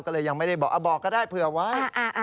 ก็เลยยังไม่ได้บอกบอกก็ได้เผื่อไว้